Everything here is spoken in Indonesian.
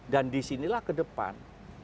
dan disinilah ke depan